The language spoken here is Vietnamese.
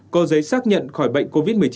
có giấy xác nhận khỏi bệnh covid một mươi chín